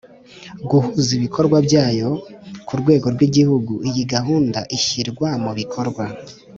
guhuza ibikorwa byayo ku rwego rw igihugu Iyi gahunda ishyirwa mu bikorwa